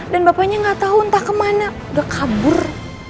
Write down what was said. dan bapaknya nggak tau entah kemana udah kabur